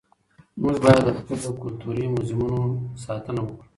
موږ باید د خپلو کلتوري موزیمونو ساتنه وکړو.